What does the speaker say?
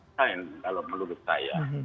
kalau menurut saya